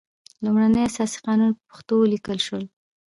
لومړنی اساسي قانون په پښتو ولیکل شول.